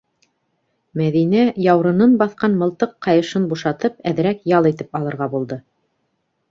Мәҙинә, яурынын баҫҡан мылтыҡ ҡайышын бушатып, әҙерәк ял итеп алырға булды.